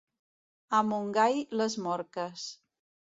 A Montgai, les morques.